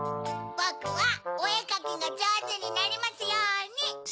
ぼくはおえかきがじょうずになりますように。